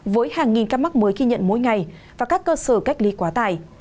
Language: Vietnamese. với hàng nghìn các mắc mới khi nhận mỗi ngày và các cơ sở cách ly quá tài